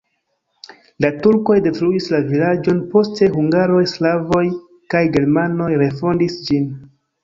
La turkoj detruis la vilaĝon, poste hungaroj, slavoj kaj germanoj refondis ĝin.